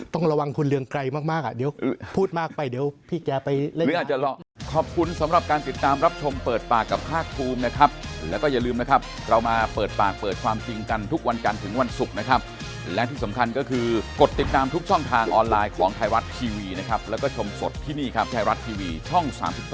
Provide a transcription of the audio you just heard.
ต้องระวังคุณเรืองไกรมากเดี๋ยวพูดมากไปเดี๋ยวพี่แกไปเรื่องนี้